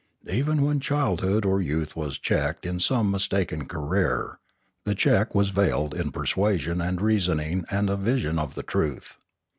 Even when child hood or youth was checked in some mistaken career, the check was veiled in persuasion and reasoning and a vision of the truth.